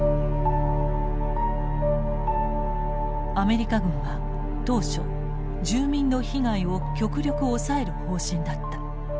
アメリカ軍は当初住民の被害を極力抑える方針だった。